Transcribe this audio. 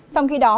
trong khi đó